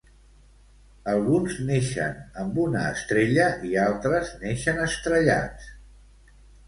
Alguns neixen amb una estrella i altres neixen estrellats